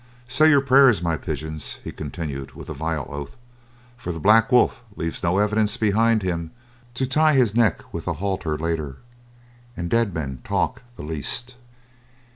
"Say your prayers, my pigeons," he continued, with a vile oath, "for The Black Wolf leaves no evidence behind him to tie his neck with a halter later, and dead men talk the least."